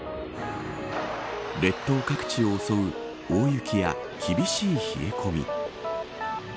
列島各地を襲う大雪や厳しい冷え込み。